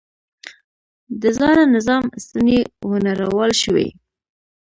د زاړه نظام ستنې ونړول شوې.